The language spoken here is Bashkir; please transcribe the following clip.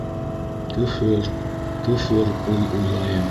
Көфөр, көфөр уй уйлайым...